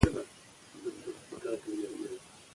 اقتصاد د تورم او بیروزګارۍ اغیز تحلیلوي.